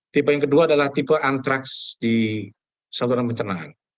tipe yang kedua adalah tipe antraks di saluran pencernaan